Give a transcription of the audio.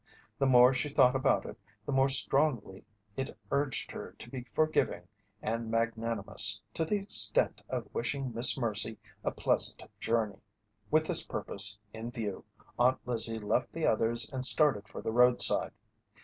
The more she thought about it the more strongly it urged her to be forgiving and magnanimous to the extent of wishing Miss Mercy a pleasant journey. With this purpose in view Aunt Lizzie left the others and started for the roadside.